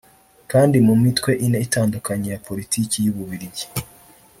kandi mu mitwe ine itandukanye ya Politiki y’u Bubiligi